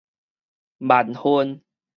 蠻恨